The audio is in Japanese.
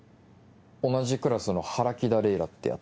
同じクラスの原木田れいらってヤツ。